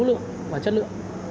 lượng và chất lượng